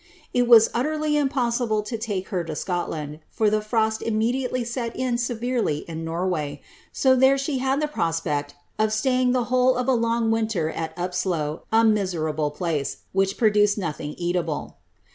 It was utterly impossible to take her to Scotland, for the frost immediately set in severely in Nor way, so there she had the prospect of staying the whole of a long win ter at Upslo, a miserable place, which produced nothing eatable.